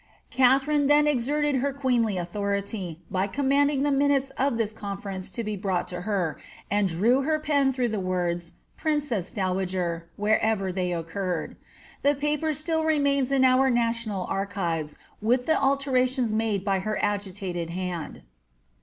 Katharine then exerted her queenly authority, by commanding the minutes of this conference to be brought to her, and drew her pen through the words ^ princess dowager" wherever they occurred. The paper still remains in our national archives with the alterations made by her agitated hand.